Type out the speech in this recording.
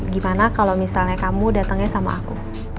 gimana kalau misalnya kamu datangnya sama aku